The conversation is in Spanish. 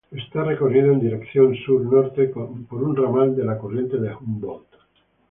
Está recorrido en dirección sur-norte por un ramal de la corriente de Humboldt.